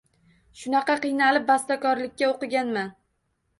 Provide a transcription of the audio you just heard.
Shunaqa qiynalib bastakorlikka o’qiganman.